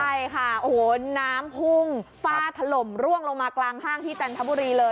ใช่ค่ะโอ้โหน้ำพุ่งฟ้าถล่มร่วงลงมากลางห้างที่จันทบุรีเลย